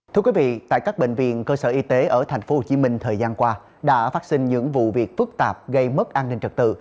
thưa quý vị tại các bệnh viện cơ sở y tế ở tp hcm thời gian qua đã phát sinh những vụ việc phức tạp gây mất an ninh trật tự